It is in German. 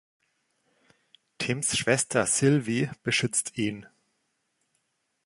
Tims Schwester Sylvie beschützt ihn.